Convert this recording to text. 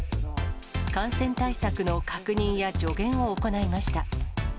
感染対策の確認や助言を行いました。